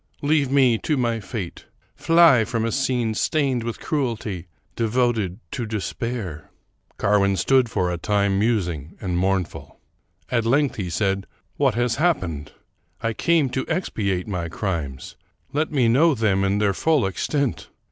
Leave me to my fate. Fly from a scene stained with cruelty, devoted to despair." Carwin stood for a time musing and mournful. At length he said, " What has happened ? I came to expiate my crimes : let me know them in their full extent.